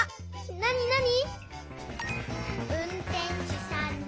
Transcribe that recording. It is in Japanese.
なになに？